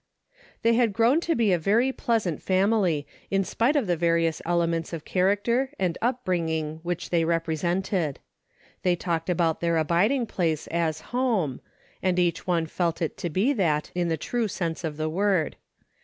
They had grown to be a very pleasant fam ily, in spite of the various elements of charac ter and up bringing which they represented. They talked about their abiding place as HOME, and each one felt it to be that in the true sense of the word.